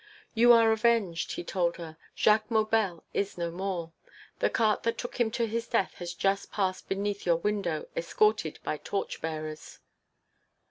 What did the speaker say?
"You are avenged," he told her. "Jacques Maubel is no more. The cart that took him to his death has just passed beneath your window, escorted by torch bearers."